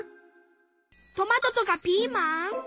トマトとかピーマン？